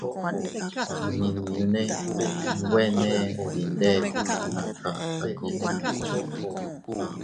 Nmiñune nwene dindet naa kakayiʼta.